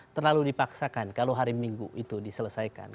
terlalu dipaksakan kalau hari minggu itu diselesaikan